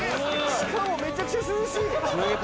「しかもめちゃくちゃ涼しい！」